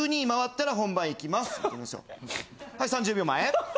「はい３０秒前」。